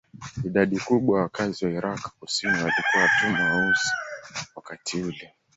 Idadi kubwa ya wakazi wa Irak kusini walikuwa watumwa weusi wakati ule.